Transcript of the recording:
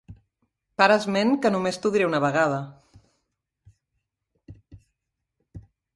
Para esment, que només t'ho diré una vegada.